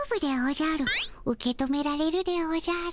受け止められるでおじゃる。